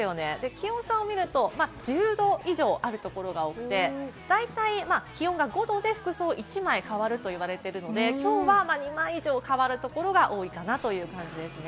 気温差を見ると１０度以上あるところが多くて大体気温が５度で、服装１枚変わると言われているので、きょうは２枚以上、変わるところが多いかなという感じですね。